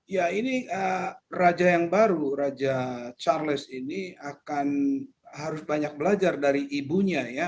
ya ini raja yang baru raja charles ini akan harus banyak belajar dari ibunya ya